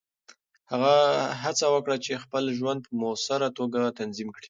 هڅه وکړه چې خپل ژوند په مؤثره توګه تنظیم کړې.